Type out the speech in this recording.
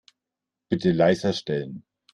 Bitte leiser stellen.